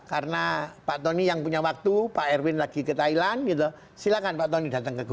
karena pak tony yang punya waktu pak erwin lagi ke thailand silakan pak tony datang ke kuningan